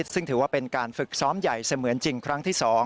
ซึ่งถือว่าเป็นการฝึกซ้อมใหญ่เสมือนจริงครั้งที่๒